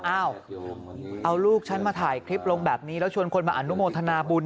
อ้าวเอาลูกฉันมาถ่ายคลิปลงแบบนี้แล้วชวนคนมาอนุโมทนาบุญ